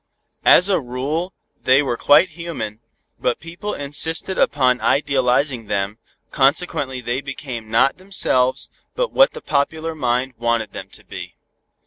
As a rule they were quite human, but people insisted upon idealizing them, consequently they became not themselves but what the popular mind wanted them to be.